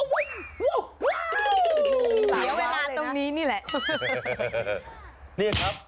เดี๋ยวเวลาตรงนี้นี่แหละ